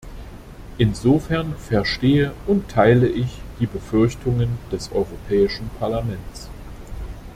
Insofern verstehe und teile ich die Befürchtungen des Europäischen Parlaments.